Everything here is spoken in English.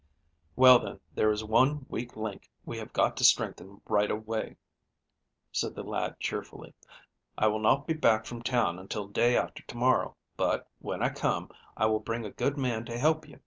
"Well, then there is one weak link we have got to strengthen right away," said the lad cheerfully. "I will not be back from town until day after to morrow, but, when I come, I will bring a good man to help you.